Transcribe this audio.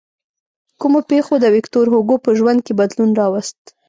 کومو پېښو د ویکتور هوګو په ژوند کې بدلون راوست.